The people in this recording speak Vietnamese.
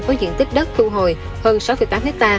có diện tích đất thu hồi hơn sáu tám hectare